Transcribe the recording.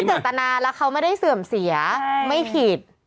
ถ้าไม่ได้เจรตนาแล้วเขาไม่ได้เสื่อมเสียไม่เขียน